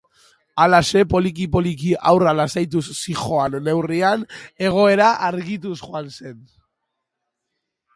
Halaxe, poliki-poliki haurra lasaituz zihoan neurrian, egoera argituz joan zen.